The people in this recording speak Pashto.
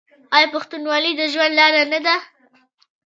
آیا پښتونولي د ژوند لاره نه ده؟